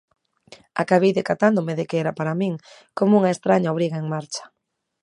Acabei decatándome de que era para min como unha estraña obriga en marcha.